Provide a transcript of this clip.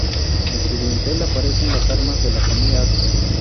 En su dintel aparecen las armas de la familia Arce.